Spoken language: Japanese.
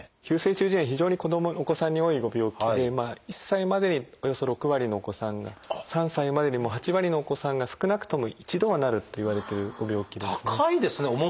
急性中耳炎非常にお子さんに多いご病気で１歳までにおよそ６割のお子さんが３歳までに８割のお子さんが少なくとも一度はなるといわれているご病気ですね。